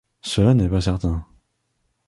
Cela n’est pas certain.